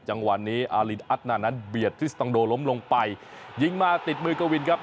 จังหวะนี้อารินอัตนานนั้นเบียดทริสตองโดล้มลงไปยิงมาติดมือกวินครับ